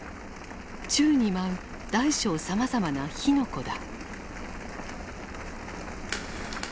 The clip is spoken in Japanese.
宙に舞う大小さまざまな火の粉だ。